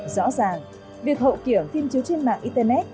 rõ ràng việc hậu kiểm phim chiếu trên mạng internet